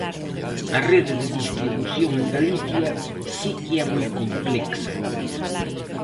A rede de distribución en Galicia si que é moi complexa.